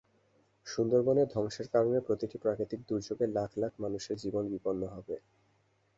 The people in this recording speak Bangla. সুন্দরবন ধ্বংসের কারণে প্রতিটি প্রাকৃতিক দুর্যোগে লাখ লাখ মানুষের জীবন বিপন্ন হবে।